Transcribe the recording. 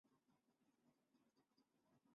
在格拉芬车站则设有岔道连接至现已废弃的。